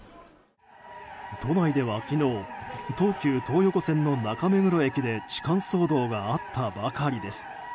都内では昨日東急東横線の中目黒駅で痴漢騒動があったばかりです。